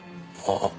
あっ。